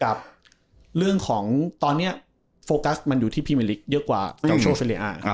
กับเรื่องของตอนเนี้ยโฟกัสมันอยู่ที่พีเมริกเยอะกว่าอืมโชว์เซลลิอาร์อ่า